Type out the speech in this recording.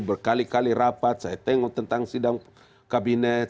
berkali kali rapat saya tengok tentang sidang kabinet